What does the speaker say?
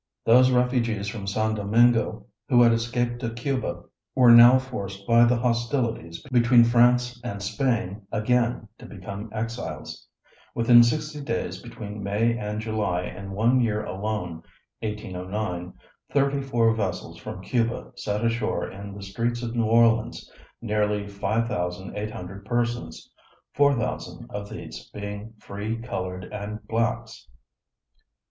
Those refugees from San Domingo who had escaped to Cuba were now forced by the hostilities between France and Spain again to become exiles. Within sixty days between May and July in one year alone, 1809, thirty four vessels from Cuba set ashore in the streets of New Orleans nearly 5,800 persons, 4,000 of these being free colored and blacks.